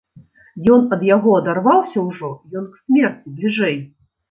Ён ад яго адарваўся ўжо, ён к смерці бліжэй.